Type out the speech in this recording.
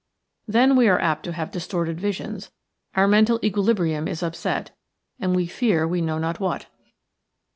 Then we are apt to have distorted visions, our mental equilibrium is upset, and we fear we know not what.